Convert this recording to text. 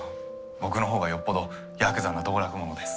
僕の方がよっぽどヤクザな道楽者です。